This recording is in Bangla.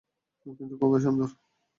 কিন্তু খুবই সুন্দর।